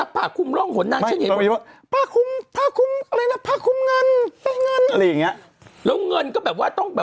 ผมจะมีเงินไปได้